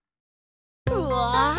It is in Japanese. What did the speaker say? うわ！